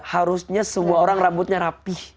harusnya semua orang rambutnya rapih